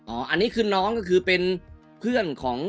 อันนี้คือน้องก็คือเป็นเพื่อนของ